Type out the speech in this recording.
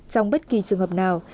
trong bất kỳ trường hợp nào